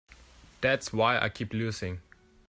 That's why I keep losing.